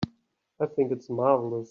I think it's marvelous.